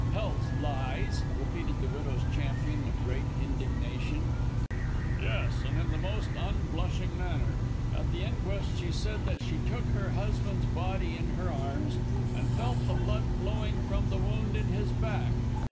"Tells lies!" repeated the widow's champion, with great indignation. "Yes, and in the most unblushing manner. At the inquest she said that she took her husband's body in her arms and felt the blood flowing from the wound in his back.